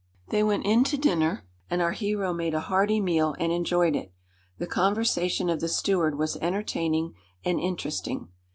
They went in to dinner; and our hero made a hearty meal and enjoyed it. The conversation of the steward was entertaining and interesting.